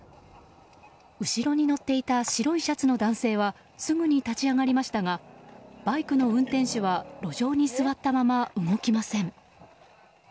後ろに乗っていた白いシャツの男性はすぐに立ち上がりましたがバイクの運転手は路上に座ったまま動きません。